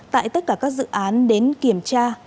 tại tất cả các dự án đến kiểm tra